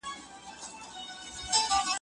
و پاچا، اوس د انارو سوداګر دی